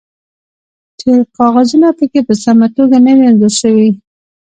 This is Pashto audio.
چې کاغذونه پکې په سمه توګه نه وي انځور شوي